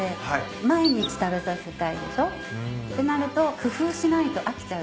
毎日食べさせたいでしょ？ってなると工夫しないと飽きちゃう。